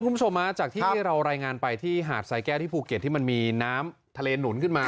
คุณผู้ชมจากที่เรารายงานไปที่หาดสายแก้วที่ภูเก็ตที่มันมีน้ำทะเลหนุนขึ้นมา